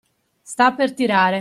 Sta per tirare.